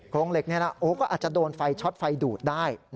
ก็อาจจะโดนไฟช็อตไฟดูดได้